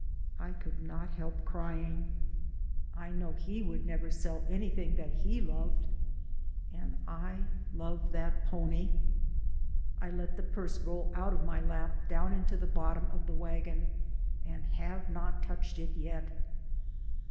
I could not help crying. I know he would never sell anything that he loved, and I love that pony. I let the purse roll out of my lap down into the bot DAYS ON THE ROAD. 251 torn of the wagon, and have not touched it yet.